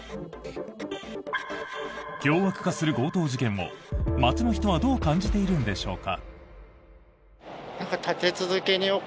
凶悪化する強盗事件を街の人はどう感じているんでしょうか。